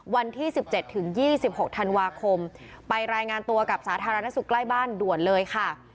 วันที่สิบเจ็ดถึงยี่สิบหกธันวาคมไปรายงานตัวกับสาธารณสุขใกล้บ้านด่วนเลยค่ะ